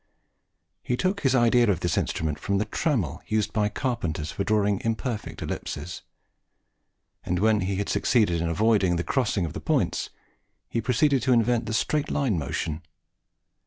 He took his idea of this instrument from the trammel used by carpenters for drawing imperfect ellipses; and when he had succeeded in avoiding the crossing of the points, he proceeded to invent the straight line motion.